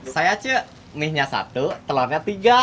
saya cik mie nya satu telor nya tiga